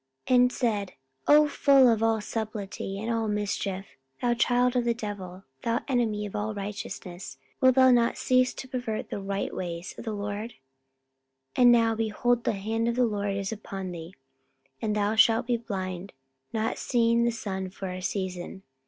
44:013:010 And said, O full of all subtilty and all mischief, thou child of the devil, thou enemy of all righteousness, wilt thou not cease to pervert the right ways of the Lord? 44:013:011 And now, behold, the hand of the Lord is upon thee, and thou shalt be blind, not seeing the sun for a season.